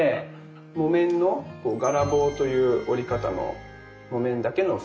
木綿のガラ紡という織り方の木綿だけの布巾。